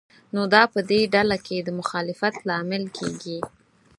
نو دا په دې ډله کې د مخالفت لامل کېږي.